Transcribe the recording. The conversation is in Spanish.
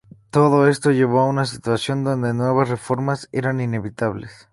Todo esto llevó a una situación donde nuevas reformas eran inevitables.